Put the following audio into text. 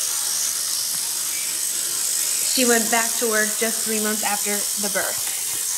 She went back to work just three months after the birth.